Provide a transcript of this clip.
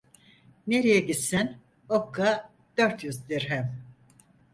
Nereye gitsen okka dört yüz dirhem.